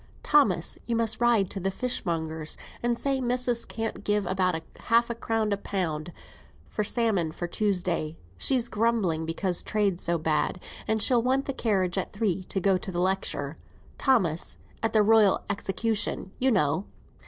"Thomas, you must ride to the fishmonger's, and say missis can't give above half a crown a pound for salmon for Tuesday; she's grumbling because trade's so bad. And she'll want the carriage at three to go to the lecture, Thomas; at the Royal Execution, you know."